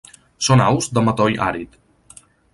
Són aus de matoll àrid.